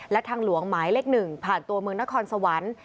และทางหลวงหมายเลข๑ผ่านตัวเมืองนครสวรรค์